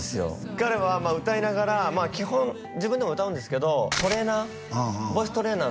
彼は歌いながらまあ基本自分でも歌うんですけどトレーナー？